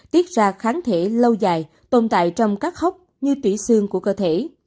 tiết ra kháng thể lâu dài tồn tại trong các hốc như tủy xương của cơ thể